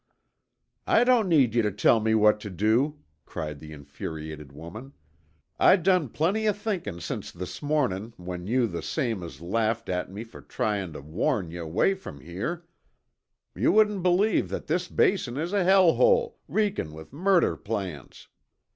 "I don't need you tuh tell me what tuh do," cried the infuriated woman. "I done plenty of thinkin' since this mornin' when you the same as laughed at me fer tryin' tuh warn yuh away from here. Yuh wouldn't believe that this Basin is a hellhole, reekin' with murder plans.